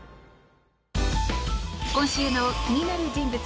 今週の気になる人物